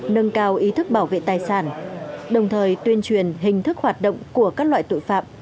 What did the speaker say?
nâng cao ý thức bảo vệ tài sản đồng thời tuyên truyền hình thức hoạt động của các loại tội phạm